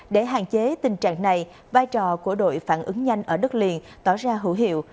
để hạn chế tình trạng này vai trò của đội phản ứng nhanh ở đất liền tỏ ra hữu hiệu